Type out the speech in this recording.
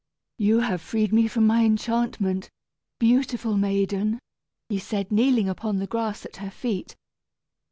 "You have freed me from my enchantment, beautiful maiden," he said, kneeling upon the grass at her feet.